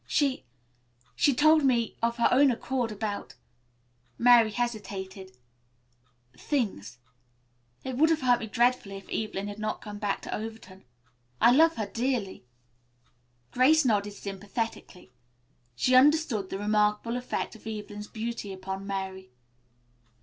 She she told me of her own accord about" Mary hesitated "things. It would have hurt me dreadfully if Evelyn had not come back to Overton. I love her dearly." Grace nodded sympathetically. She understood the remarkable effect of Evelyn's beauty upon Mary.